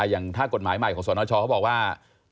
อย่างถ้ากฎหมายใหม่ของสนชเขาบอกว่า